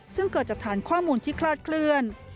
ซึ่งเกิดจากฐานข้อมูลที่คลาดเคลื่อน